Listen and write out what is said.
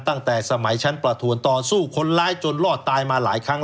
ตั้งแต่สมัยชั้นประทวนต่อสู้คนร้ายจนรอดตายมาหลายครั้ง